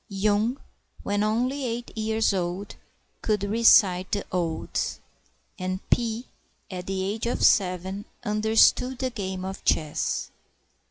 Yung, when only eight years old, could recite the Odes; And Pi, at the age of seven, understood the game of chess.